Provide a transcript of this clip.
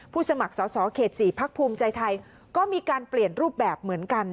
สมัครสอสอเขต๔พักภูมิใจไทยก็มีการเปลี่ยนรูปแบบเหมือนกัน